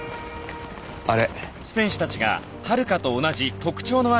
あれ。